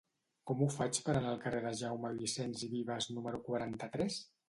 Com ho faig per anar al carrer de Jaume Vicens i Vives número quaranta-tres?